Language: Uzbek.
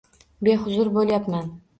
Behuzur bo’layapman.